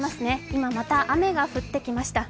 今、また雨が降ってきました。